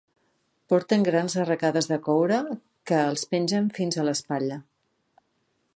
Porten grans arracades de coure que els pengen fins a l'espatlla.